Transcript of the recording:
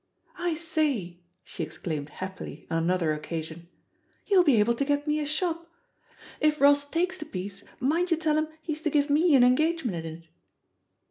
"I say," she exclaimed happily on another oc casion, "you'll be able to get me a shop 1 If Ross takes the piece, mind you tell him he's to give me an engagement in it."